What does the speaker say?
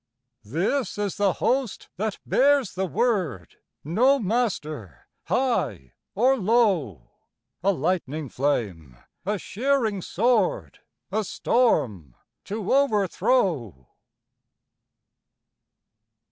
This is the host that bears the word, No MASTER HIGH OR LOW A lightning flame, a shearing sword, A storm to overthrow.